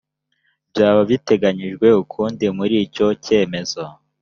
byaba biteganyijwe ukundi muri icyo cyemezo